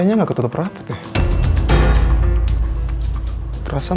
agak luar biasa